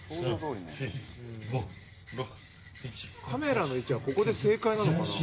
「カメラの位置はここで正解なのかな？」